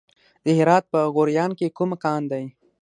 د هرات په غوریان کې کوم کان دی؟